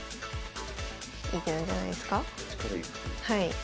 はい。